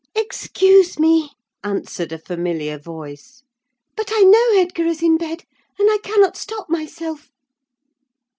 "Excuse me!" answered a familiar voice; "but I know Edgar is in bed, and I cannot stop myself."